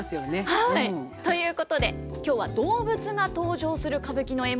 はいということで今日は動物が登場する歌舞伎の演目を教えていただきます。